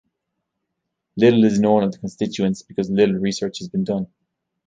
Little is known of the constituents, because little research has been done.